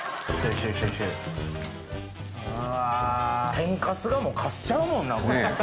天かすがもうかすちゃうもんなこれ。